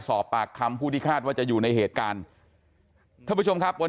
สอบปากคำผู้ที่คาดว่าจะอยู่ในเหตุการณ์ท่านผู้ชมครับวัน